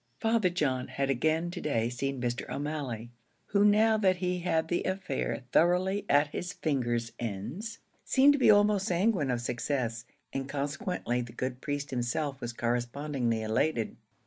Father John had again to day seen Mr. O'Malley, who now that he had the affair thoroughly at his fingers' ends, seemed to be almost sanguine of success, and consequently the good priest himself was correspondingly elated.